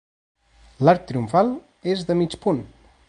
L'arc triomfal és de mig punt.